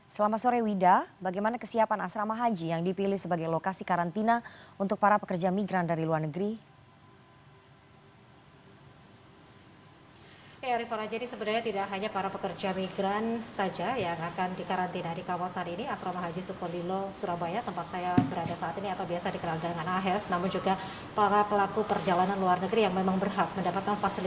selama sore wida bagaimana kesiapan asrama haji yang dipilih sebagai lokasi karantina untuk para pekerja migran dari luar negeri